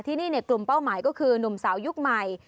ที่นี่กลุ่มเป้าหมายก็คือหนุ่มสาวยุคใหม่